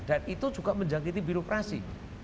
dan itu juga menjangkiti birokrasi